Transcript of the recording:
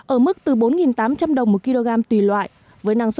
ở mức từ bốn tám trăm linh đồng một kg tùy loại